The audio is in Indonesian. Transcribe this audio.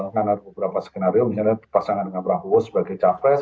karena ada beberapa skenario misalnya berpasangan dengan prabowo sebagai capres